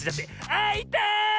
あいたい！